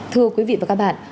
thưa quý vị và các bạn